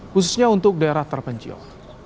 khususnya untuk daerah terpencil